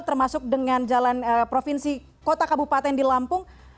termasuk dengan jalan provinsi kota kabupaten di lampung